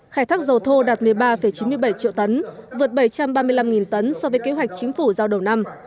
khai thác dầu thô đạt một mươi ba chín mươi bảy triệu tấn vượt bảy trăm ba mươi năm tấn so với kế hoạch chính phủ giao đầu năm